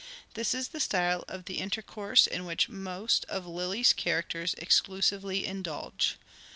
This is the style of the intercourse in which most of Lyly's characters exclusively indulge.